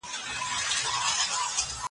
ځینې خلک د پزې شکل بدلوي.